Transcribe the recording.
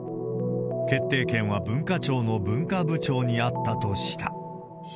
決定権は文化庁の文化部長にあったとした。